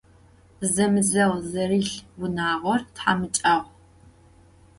Zemızeğ zerılh vunağor thamıç'ağu.